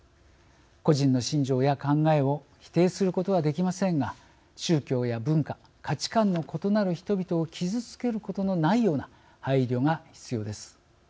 個人の信条や考えを否定することはできませんが宗教や文化価値観の異なる人々を傷つけることのないような配慮が必要です。